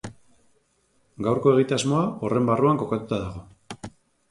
Gaurko egitasmoa horren barruan kokatuta dago.